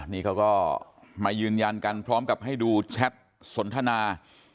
นี่เขาก็มายืนยันกันพร้อมกับให้ดูแชทสนทนา